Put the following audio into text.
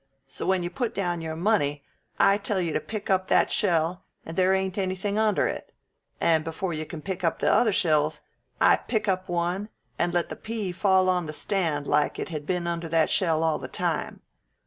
So when you put down your money I tell you to pick up that shell and there ain't anything under it. And before you can pick up the other shells I pick one up, and let the pea fall on the stand like it had been under that shell all the time.